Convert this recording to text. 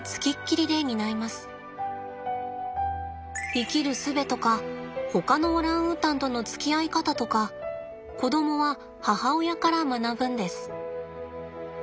生きるすべとかほかのオランウータンとのつきあい方とか子供は母親から学ぶんです。